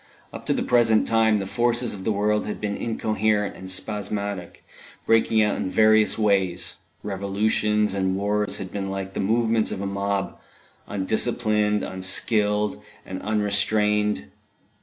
Up to the present time the forces of the world had been incoherent and spasmodic, breaking out in various ways revolutions and wars had been like the movements of a mob, undisciplined, unskilled, and unrestrained.